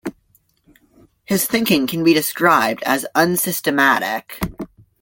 His thinking can be described as unsystematic.